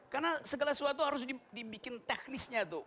karena segala sesuatu harus dibikin teknisnya tuh